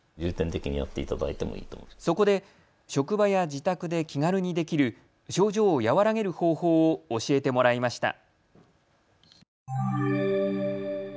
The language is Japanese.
そこで職場や自宅で気軽にできる症状を和らげる方法を教えてもらいました。